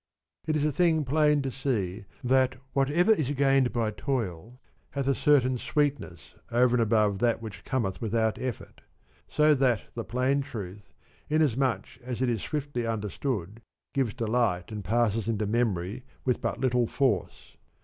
It is a thing plain to see that whatever is gained by toil hath a certain sweetness over and above that which Cometh without effort ; so that the plain truth, in as much as it is swiftly understood, gives delight and passes into memory with but little force.